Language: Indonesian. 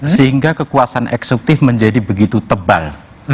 sehingga kekuasaan eksekutif menjadi begitu tebal